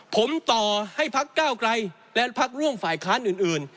ผมต่อให้พักก้าวไกลและพักร่วมฝ่ายค้านอื่น